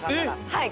はい！